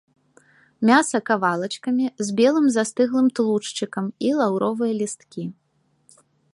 Мяса кавалачкамі, з белым застыглым тлушчыкам, і лаўровыя лісткі.